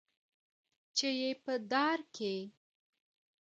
چي یې په دار کي